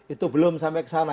itu belum sampai ke sana